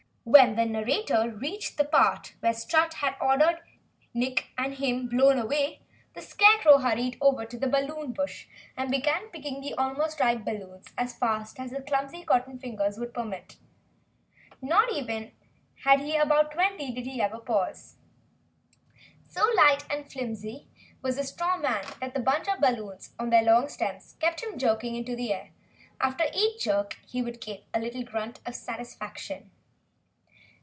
When the narrator reached the part where Strut had ordered Nick and him blown away, the Scarecrow hurried over to the balloon bush and began picking the almost ripe balloons as fast as his clumsy cotton fingers would permit. Not till he had about twenty did he even pause. So light and flimsy was the straw man that the bunch of balloons on their long stems kept jerking him into the air. After each jerk he would give a little grunt of satisfaction.